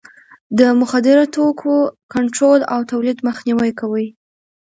د مخدره توکو کنټرول او تولید مخنیوی کوي.